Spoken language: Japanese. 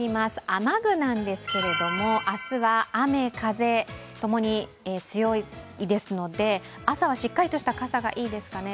雨具なんですけれども、明日は雨・風共に強いですので朝はしっかりとした傘がいいですかね。